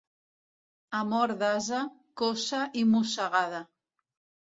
Amor d'ase, coça i mossegada.